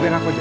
biar aku aja